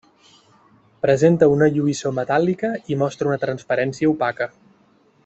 Presenta una lluïssor metàl·lica i mostra una transparència opaca.